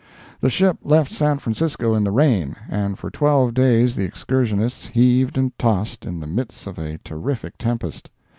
The ship left San Francisco in the rain, and for twelve days the excursionists heaved and tossed in the midst of a terrific tempest.